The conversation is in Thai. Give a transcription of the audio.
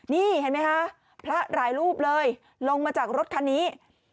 นี่เห็นไหมคะพระหลายรูปเลยลงมาจากรถคันนี้